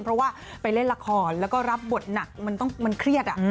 เพราะว่าไปเล่นละครแล้วก็รับบทหนักมันเครียด